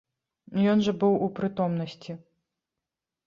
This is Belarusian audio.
Ён жа быў у прытомнасці.